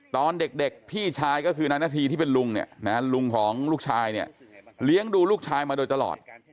ตอนเด็กพี่ชายก็คือนายนาธีที่เป็นลุงเนี่ยนะลุงของลูกชายเนี่ยเลี้ยงดูลูกชายมาโดยตลอด